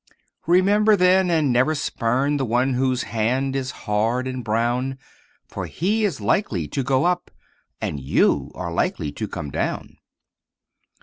Remember, then, and never spurn The one whose hand is hard and brown, For he is likely to go up, And you are likely to come down.